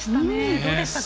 どうでしたか？